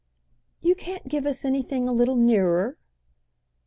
"You can't give us anything a little nearer?"